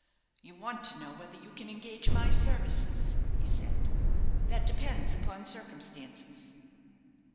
"You want to know whether you can engage my services," he said; "that depends upon circumstances."